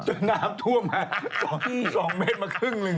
น้ำท่วมมา๒เมตรมาครึ่งหนึ่ง